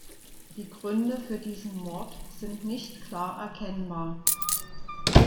Die Gründe für diesen Mord sind nicht klar erkennbar.